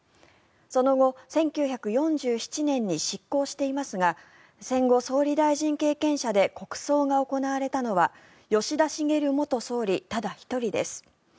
その後１９４７年に失効していますが戦後、総理大臣経験者で国葬が行われたのは吉田茂元総理ただ１人です。